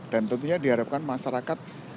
dan tentunya diharapkan masyarakat